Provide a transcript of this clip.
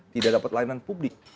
tidak dapat layanan publik